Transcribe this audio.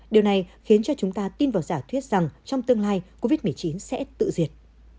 điều này khiến cho chúng ta tin vào giả thuyết rằng trong tương lai covid một mươi chín sẽ tự diệt